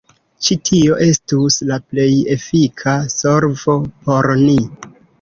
Ĉi tio estus la plej efika solvo por ni.